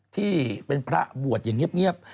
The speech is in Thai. ที่เป็นพระบวชอย่างเงียบ